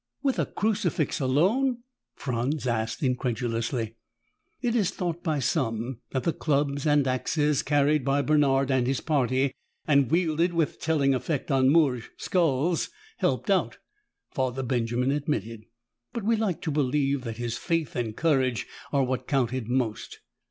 "With a crucifix alone?" Franz asked incredulously. "It is thought by some that the clubs and axes carried by Bernard and his party and wielded with telling effect on Moorish skulls, helped out," Father Benjamin admitted, "but we like to believe that his faith and courage are what counted most.